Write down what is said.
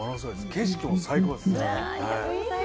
景色も最高ですね。